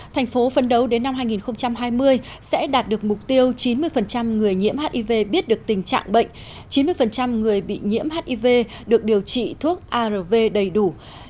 thành phố phân đấu đến năm hai nghìn hai mươi sẽ đạt được mục tiêu chín mươi người nhiễm hiv biết được tình trạng bệnh chín mươi người bị nhiễm hiv được điều trị thuốc arv đầy đủ